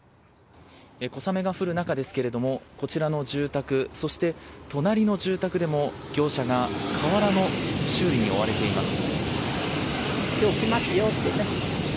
小雨が降る中ですけれどこちらの住宅そして隣の住宅でも業者が瓦の修理に追われています。